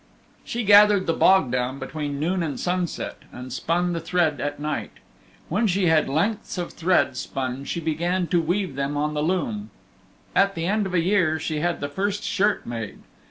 She gathered the bog down between noon and sunset and spun the thread at night. When she had lengths of thread spun she began to weave them on the loom. At the end of a year she had the first shirt made.